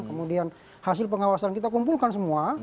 kemudian hasil pengawasan kita kumpulkan semua